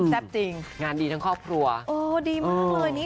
แซ่บจริงงานดีทั้งครอบครัวดีมากเลย